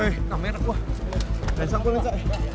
eh kamera gua biasa gua ngecek ya